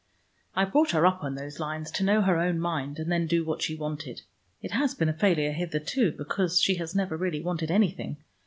I brought her up on those lines, to know her own mind, and then do what she wanted. It has been a failure hitherto, because she has never really wanted anything.